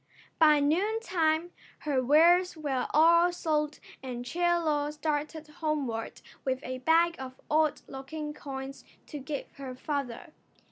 By noontime her wares were all sold and Chie Lo started homeward with a bag of odd looking coins to give her father.